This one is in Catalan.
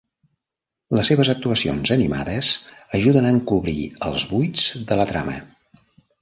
Les seves actuacions animades ajuden a encobrir els buits de la trama.